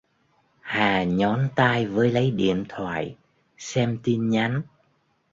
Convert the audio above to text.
hà nhón tay với lấy điện thoại xem tin nhắn